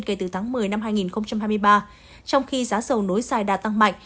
kể từ tháng một mươi năm hai nghìn hai mươi ba trong khi giá dầu nối dài đã tăng mạnh